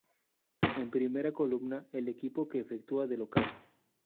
En primera columna, el equipo que efectúa de local.